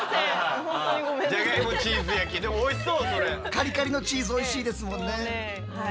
カリカリのチーズおいしいですもんね。